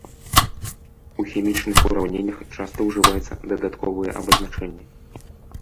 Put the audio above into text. У хімічных ураўненнях часта ўжываюцца дадатковыя абазначэнні.